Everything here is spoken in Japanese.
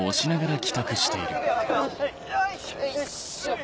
よいしょ。